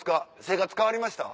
生活変わりました？